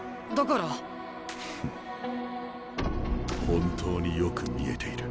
本当によく見えている。